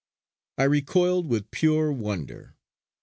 I recoiled with pure wonder.